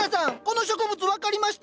この植物分かりましたよ。